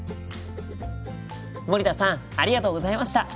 森田さんありがとうございました。